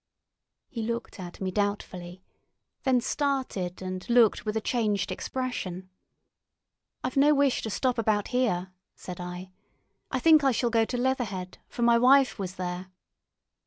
He looked at me doubtfully, then started, and looked with a changed expression. "I've no wish to stop about here," said I. "I think I shall go to Leatherhead, for my wife was there."